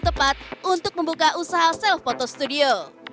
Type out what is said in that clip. tepat untuk membuka usaha self photo studio